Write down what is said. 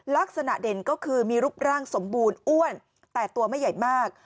ลักษณะเด่นก็คือมีรูปร่างสมบูรณ์อ้วนแต่ตัวไม่ใหญ่มาก